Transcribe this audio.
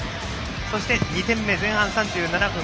そして、２点目、前半３７分。